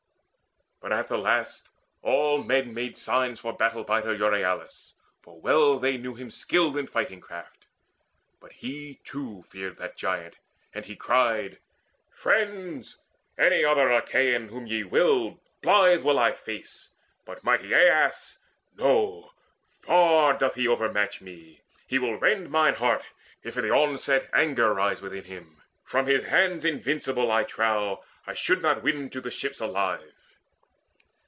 But at the last all men Made signs to battle bider Euryalus, For well they knew him skilled in fighting craft; But he too feared that giant, and he cried: "Friends, any other Achaean, whom ye will, Blithe will I face; but mighty Alas no! Far doth he overmatch me. He will rend Mine heart, if in the onset anger rise Within him: from his hands invincible, I trow, I should not win to the ships alive."